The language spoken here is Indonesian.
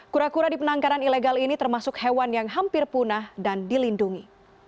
kura kura di penangkaran ilegal ini termasuk hewan yang hampir punah dan dilindungi